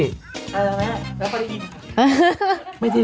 เออแล้วพอดีอิน